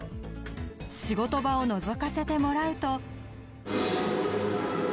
仕事場をのぞかせてもらうと。